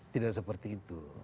tidak seperti itu